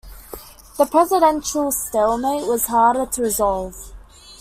The presidential stalemate was harder to resolve.